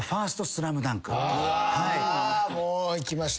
もう行きました